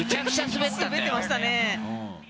滑ってましたね。